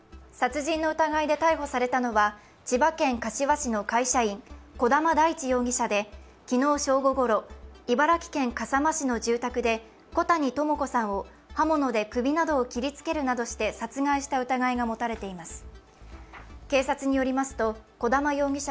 殺人の疑いで逮捕されたのは千葉県柏市の会社員、児玉大地容疑者で昨日、正午ごろ茨城県笠間市の住宅で小谷朋子さんを刃物で首などを切りつけるなどして殺害した疑いが持たれています。